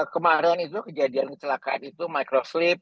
kemarin itu kejadian kecelakaan itu microslip